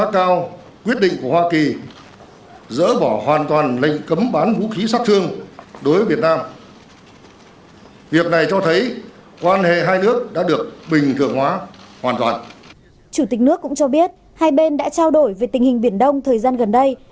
chủ tịch nước cũng cho biết hai bên đã trao đổi về tình hình biển đông thời gian gần đây